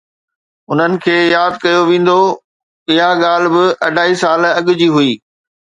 انهن کي ياد ڪيو ويندو! اها ڳالهه ٻه اڍائي سال اڳ جي هئي.